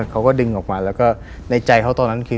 เขาก็ดึงออกมาแล้วก็ในใจเขาตอนนั้นคือ